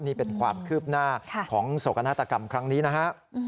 นี่เป็นความคืบหน้าของโศกนาฏกรรมครั้งนี้นะฮะ